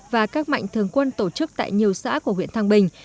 và các mạnh thương quân tổ chức tại nhiều xã của huyện thang bình